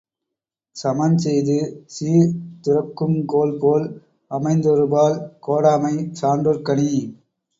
சமன்செய்து சீர்துரக்குங் கோல்போல் அமைந்தொருபால் கோடாமை சான்றோர்க் கணி.